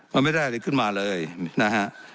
มันไม่ได้อะไรขึ้นมาเลยนะฮะ